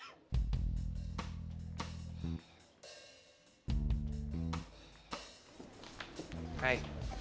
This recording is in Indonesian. apa ada tinggalimc